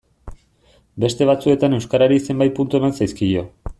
Beste batzuetan euskarari zenbait puntu eman zaizkio.